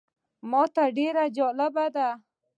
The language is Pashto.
ماته ډېر جالبه دی.